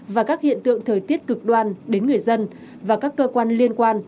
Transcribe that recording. và các hiện tượng thời tiết cực đoan đến người dân và các cơ quan liên quan